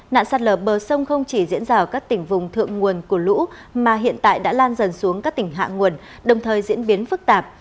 nạn sạt lở bờ sông không chỉ diễn ra ở các tỉnh vùng thượng nguồn của lũ mà hiện tại đã lan dần xuống các tỉnh hạ nguồn đồng thời diễn biến phức tạp